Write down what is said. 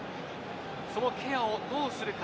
そのケアをどうするか。